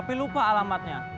tapi lupa alamatnya